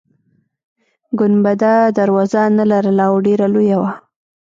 ګنبده دروازه نلرله او ډیره لویه وه.